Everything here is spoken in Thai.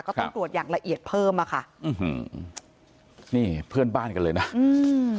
ก็ต้องตรวจอย่างละเอียดเพิ่มอ่ะค่ะอืมนี่เพื่อนบ้านกันเลยนะอืม